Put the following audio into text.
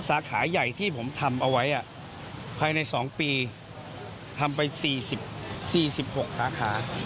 สาขาใหญ่ที่ผมทำเอาไว้ภายใน๒ปีทำไป๔๖สาขา